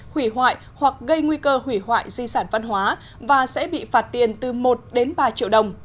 hủy hoại hoặc gây nguy cơ hủy hoại di sản văn hóa và sẽ bị phạt tiền từ một đến ba triệu đồng